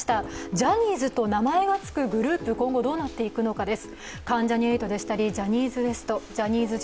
ジャニーズと名前がつくグループ、今後どうなっていくのかです。